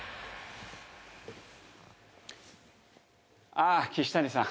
ああ岸谷さん